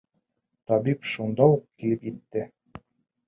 Табип шунда уҡ килеп етә.